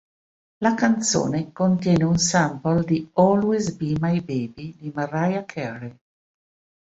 La canzone contiene un sample di "Always Be My Baby" di Mariah Carey.